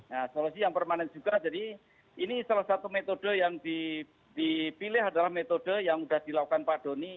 nah solusi yang permanen juga jadi ini salah satu metode yang dipilih adalah metode yang sudah dilakukan pak doni